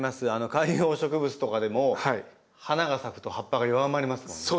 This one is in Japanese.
観葉植物とかでも花が咲くと葉っぱが弱まりますもんね。